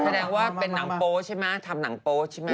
แสดงว่าเป็นหนังโป๊ใช่ไหมทำหนังโป๊ใช่ไหม